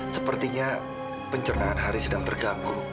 sepertinya pencernaan hari sedang terganggu